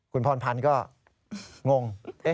คุณพรพันธ์ก็งง